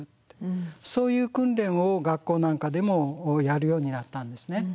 そういう訓練を学校なんかでもやるようになったんですね。